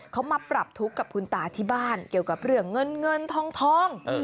เขามาปรับทุกข์กับคุณตาที่บ้านเกี่ยวกับเรื่องเงินเงินทอง